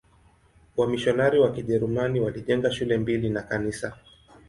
Wamisionari wa Kijerumani walijenga shule mbili na kanisa.